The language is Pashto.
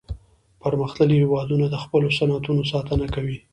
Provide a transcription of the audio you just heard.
پرمختللي هیوادونه د خپلو صنعتونو ساتنه کوي